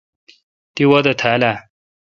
تی وادہ تھا اؘ ۔